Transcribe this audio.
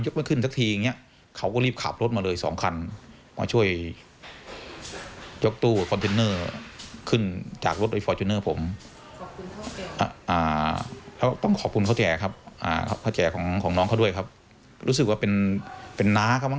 ซอย๕๔วัดศรีพลิน้อยเขาดูไร้สดเขาเห็นแล้วทำไมยกไม่ขึ้นเท่านี้